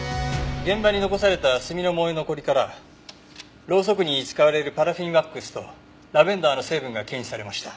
現場に残された炭の燃え残りからろうそくに使われるパラフィンワックスとラベンダーの成分が検出されました。